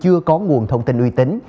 chưa có nguồn thông tin uy tín